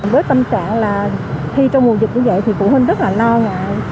với tâm trạng là thi trong mùa dịch như vậy thì phụ huynh rất là lo ngại